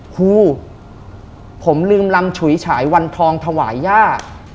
ครูผมลืมลำฉุยฉายวันทองถวายย่า